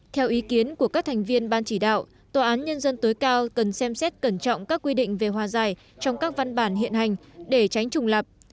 theo ý kiến của các thành viên ban chỉ đạo tòa án nhân dân tối cao cần xem xét cẩn trọng các quy định về hòa giải trong các văn bản hiện hành để tránh trùng lập